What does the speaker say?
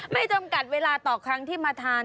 จำกัดเวลาต่อครั้งที่มาทาน